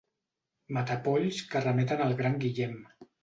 Matapolls que remeten al gran Guillem.